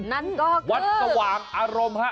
นั่นก็คือวัดสว่างอารมณ์ฮะ